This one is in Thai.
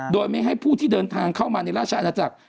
โดยไม่ให้ผู้ที่เดินทางเข้ามาในราชอาณาจักร